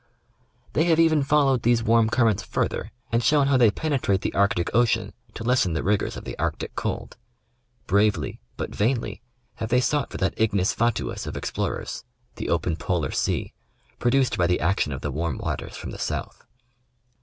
They have even followed these warm currents further and shown how they penetrate the Arctic Ocean to lessen the rigors of the Arctic cold. Bravely, but vainly, have they sought for that ignis fatuus of explorers — the open polar sea — produced by the action of the warm waters from the south.